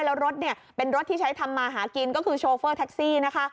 แล้วรถเนี่ยเป็นรถที่ใช้ทำมาหากินก็คือโชเฟอร์แท็กซี่นะคะ